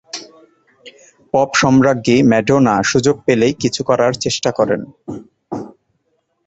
Pop সম্রাজ্ঞী Madonna সুযোগ পেলেই কিছু করার চেষ্টা করেন।